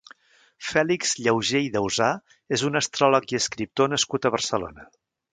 Fèlix Llaugé i Dausà és un astròleg i escriptor nascut a Barcelona.